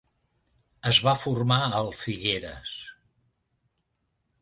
Es va formar al Figueres.